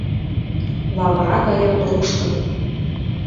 Лавыра гаяк руштын.